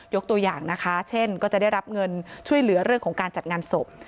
ตัวอย่างนะคะเช่นก็จะได้รับเงินช่วยเหลือเรื่องของการจัดงานศพ